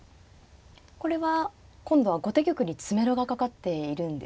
これは今度は後手玉に詰めろがかかっているんですね。